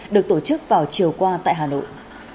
được tổ chức vào chiều qua tại hà nội